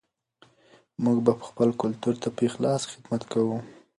موږ به خپل کلتور ته په اخلاص خدمت کوو.